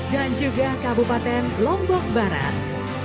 dan juga kabupaten lombok barat